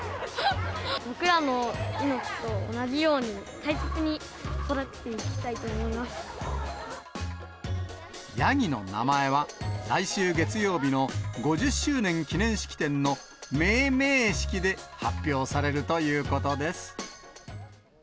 僕らの命と同じように大切にヤギの名前は、来週月曜日の５０周年記念式典のメーメー式で発表されるということです。